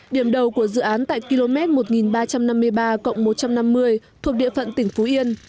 điểm đầu của dự án tại km một nghìn ba trăm năm mươi ba một trăm năm mươi thuộc địa phận tỉnh phú yên